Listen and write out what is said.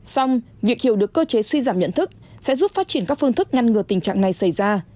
xong việc hiểu được cơ chế suy giảm nhận thức sẽ giúp phát triển các phương thức ngăn ngừa tình trạng này xảy ra